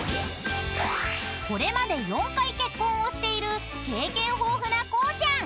［これまで４回結婚をしている経験豊富なこうちゃん］